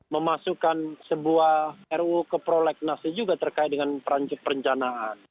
memasukkan sebuah ruu ke prolegnas itu juga terkait dengan perancuk perencanaan